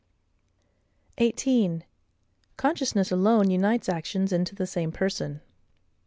18. Consciousness alone unites actions into the same Person.